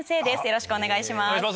よろしくお願いします。